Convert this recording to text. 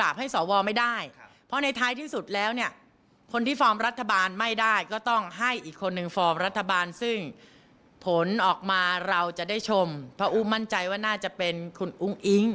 เพราะอู่บ้รรมันใจว่าน่าจะเป็นคุณอุ้งอิง